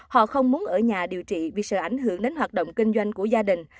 họ không muốn ở nhà điều trị vì sợ ảnh hưởng đến hoạt động kinh doanh của gia đình